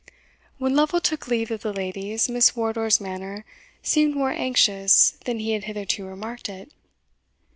When Lovel took leave of the ladies, Miss Wardour's manner seemed more anxious than he had hitherto remarked it.